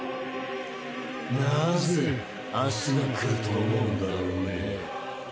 何故「明日がくる」と思うんだろうね。